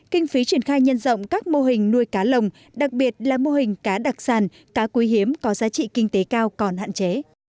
kinh phí triển khai nhân rộng các mô hình nuôi cá lồng đặc biệt là mô hình cá đặc sản cá quý hiếm có giá trị kinh tế cao còn hạn chế